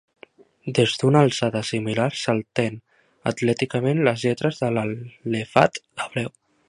Des d'una alçada similar salten atlèticament les lletres de l'alefat hebreu.